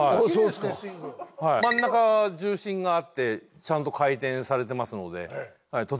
真ん中重心があってちゃんと回転されてますのでとてもいいと思います。